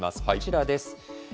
こちらです。